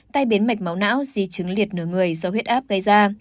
tai biến mạch máu não di chứng liệt nửa người do huyết áp gây ra